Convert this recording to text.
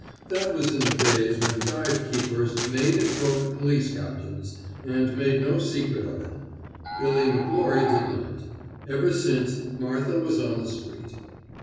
That was in the days when dive keepers made and broke police captains, and made no secret of it. Billy McGlory did not. Ever since, Martha was on the street.